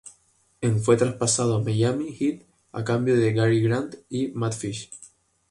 En fue traspasado a Miami Heat a cambio de Gary Grant y Matt Fish.